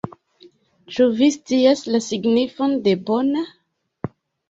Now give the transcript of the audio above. Ĉu vi scias la signifon de bona?